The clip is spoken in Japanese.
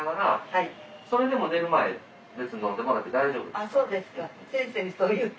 あっそうですか。